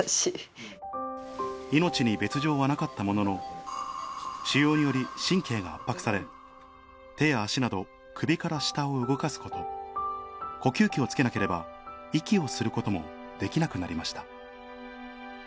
命に別条はなかったものの手や足など首から下を動かすこと呼吸器をつけなければ息をすることもできなくなりました